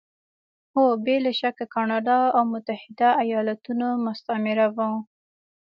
هو! بې له شکه کاناډا او متحده ایالتونه مستعمره وو.